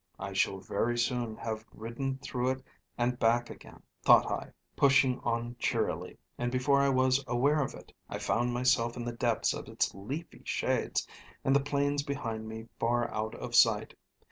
I shall very soon have ridden through it and back again, thought I, pushing on cheerily, and before I was aware of it, I found myself in the depths of its leafy shades, and the plains behind me far out of sight.